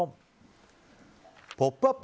「ポップＵＰ！」